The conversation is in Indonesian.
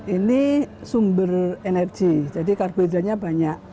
ini sumber energi jadi karbohidratnya banyak